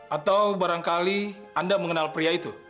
atau barangkali anda mengenal pria itu